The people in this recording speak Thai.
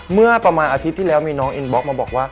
เมื่อประมาณอาทิตย์ที่แล้วมีน้องอินบล็อกมาบอกว่า